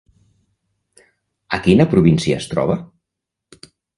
A quina província es troba?